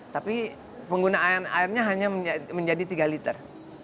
tapi penggunaan airnya hanya menjadi tiga liter